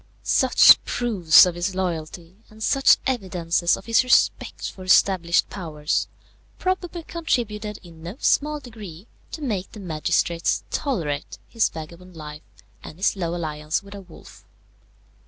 Such proofs of his loyalty, and such evidences of his respect for established powers, probably contributed in no small degree to make the magistrates tolerate his vagabond life and his low alliance with a wolf.